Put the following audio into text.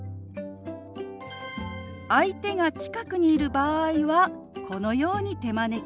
相手が近くにいる場合はこのように手招き。